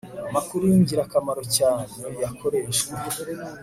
amakuru y ingirakamaro cyane yakoreshwa